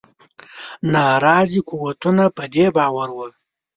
ناراضي قوتونه په دې باور وه.